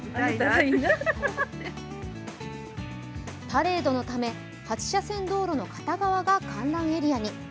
パレードのため、８車線道路の片側が観覧エリアに。